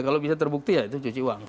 kalau bisa terbukti ya itu cuci uang